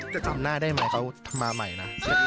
จะจำหน้าได้ไหมเค้าทำมาใหม่นะ